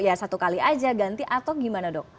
ya satu kali aja ganti atau gimana dok